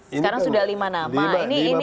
sekarang sudah lima nama